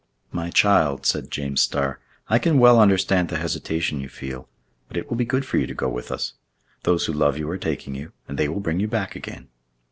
"My child," said James Starr, "I can well understand the hesitation you feel; but it will be good for you to go with us. Those who love you are taking you, and they will bring you back again.